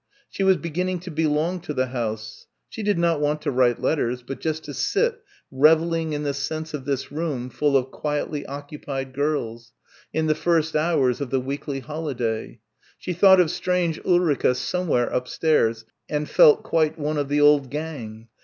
She was beginning to belong to the house she did not want to write letters but just to sit revelling in the sense of this room full of quietly occupied girls in the first hours of the weekly holiday. She thought of strange Ulrica somewhere upstairs and felt quite one of the old gang.